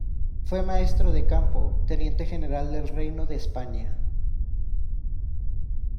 Fue Maestro de Campo, Teniente General del Reino de España.